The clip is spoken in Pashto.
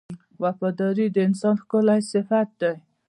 • وفاداري د انسان ښکلی صفت دی.